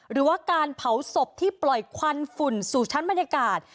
หรือว่าการเผาศพที่ปล่อยควันฝุ่นสู่ชั้นบรรยากาศ